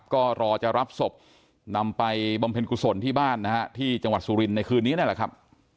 ก็รอจะรับศพนำไปบำเพ็ญกุศลที่บ้านนะฮะที่จังหวัดสุรินทร์ในคืนนี้นั่นแหละครับ